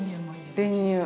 練乳？